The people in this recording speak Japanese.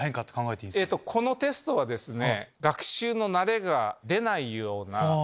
このテストはですね。